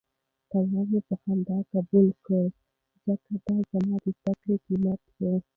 تاوان مې په خندا قبول کړ ځکه دا زما د زده کړې قیمت و.